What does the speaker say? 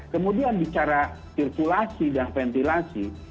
kemudian bicara sirkulasi dan ventilasi